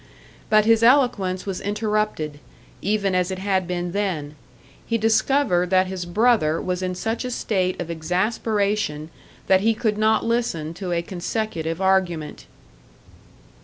But his eloquence was interrupted, even as it had been then; he discovered that his brother was in such a state of exasperation that he could not listen to a consecutive argument.